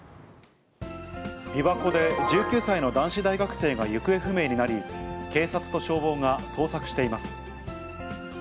琵琶湖で１９歳の男子大学生が行方不明になり、警察と消防が捜索しています。